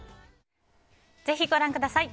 ぜひご覧ください。